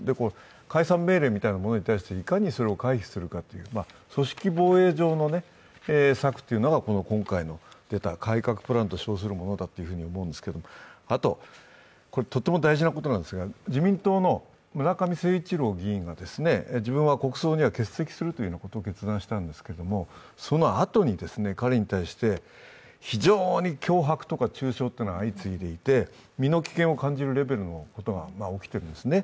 解散命令みたいなものに対して、いかにそれを回避するかという組織防衛上の策が今回出た改革プランと称するものだと思うんですけれども、あととても大事なことなんですが自民党の村上誠一郎議員が自分は国葬には欠席するということを決断したんですけれども、そのあとに、彼に対して非常に脅迫とか中傷というのが相次いでいて、身の危険を感じるレベルのことが起きているんですね。